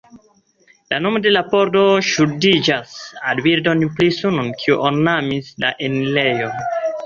La nomo de la pordo ŝuldiĝas al bildo pri suno kiu ornamis la enirejon.